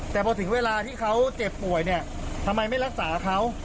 แต่พอถึงเวลาที่เขาเจ็บป่วยเนี่ยทำไมไม่รักษาเขา